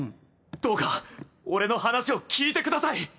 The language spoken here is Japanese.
どうか俺の話を聞いてください。